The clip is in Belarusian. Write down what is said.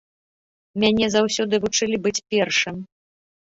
Мяне заўсёды вучылі быць першым.